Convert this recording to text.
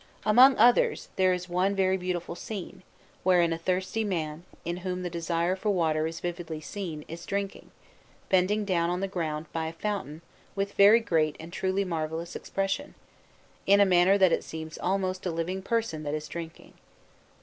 Among others, there is one very beautiful scene, wherein a thirsty man, in whom the desire for water is vividly seen, is drinking, bending down on the ground by a fountain with very great and truly marvellous expression, in a manner that it seems almost a living person that is drinking.